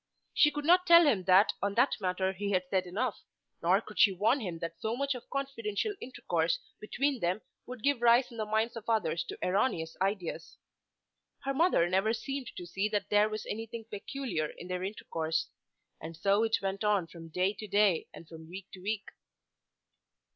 She could not tell him that on that matter he had said enough, nor could she warn him that so much of confidential intercourse between them would give rise in the minds of others to erroneous ideas. Her mother never seemed to see that there was anything peculiar in their intercourse. And so it went on from day to day and from week to week.